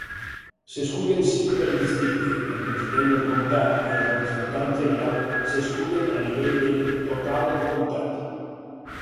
S'escullen cinc per districte, el president del comtat i el representant general s'escullen a nivell de total el comtat.